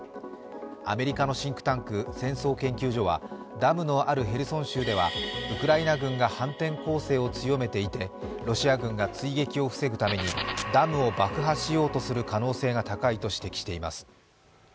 アメリカのシンクタンク＝戦争研究所は、ダムのあるヘルソン州ではウクライナ軍が反転攻勢を強めていて、ロシア軍の追撃を防ぐためにダムを爆破しようとする可能性が高いと指摘しています。